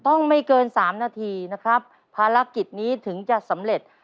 ไม่เกินสามนาทีนะครับภารกิจนี้ถึงจะสำเร็จ